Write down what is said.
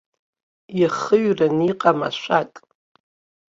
Иахыҩраны иҟам ашәак.